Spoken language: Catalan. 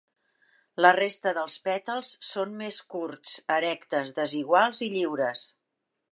La resta dels pètals són més curts, erectes, desiguals i lliures.